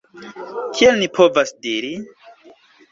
Kiel ni povas diri?